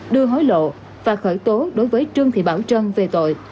đưa hối lộ và khởi tố đối với trương thị bảo trân về tội